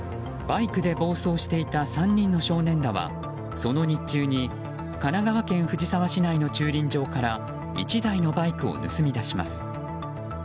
バイクで暴走していた３人の少年らはその日中に、神奈川県藤沢市内の駐輪場から１台のバイクを盗み出します。